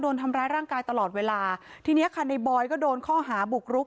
โดนทำร้ายร่างกายตลอดเวลาทีเนี้ยค่ะในบอยก็โดนข้อหาบุกรุก